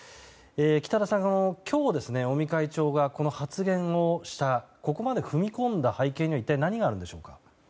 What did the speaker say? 北田さん、今日尾身会長がこの発言をしたここまで踏み込んだ背景には一体何があるんでしょうか。